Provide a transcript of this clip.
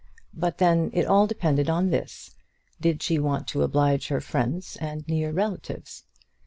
But then it all depended on this: did she want to oblige her friends and near relatives?